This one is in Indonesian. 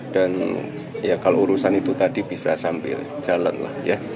dan ya kalau urusan itu tadi bisa sambil jalan lah ya